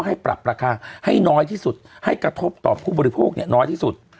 ให้ปรับราคาให้น้อยที่สุดให้กระทบต่อผู้บริโภคน้อยที่สุด